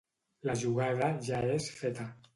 La jugada ja és feta.